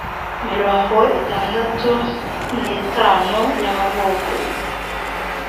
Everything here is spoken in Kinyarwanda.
mirongo itandatu n itanu y amavuko